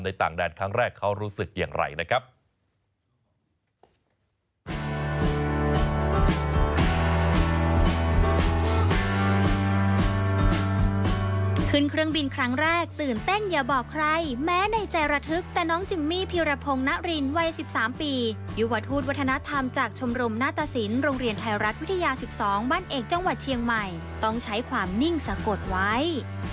ต่างแดนครั้งแรกเขารู้สึกอย่างไรนะครับ